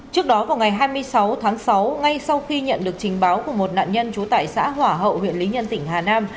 trước đó vào ngày hai mươi sáu tháng sáu ngay sau khi nhận được trình báo của một nạn nhân trú tại xã hỏa hậu huyện lý nhân tỉnh hà nam